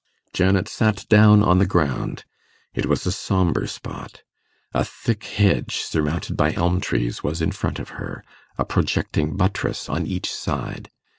Janet sat down on the ground. It was a sombre spot. A thick hedge, surmounted by elm trees, was in front of her; a projecting buttress on each side.